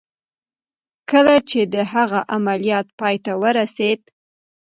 کله چې د هغه عملیات پای ته ورسېد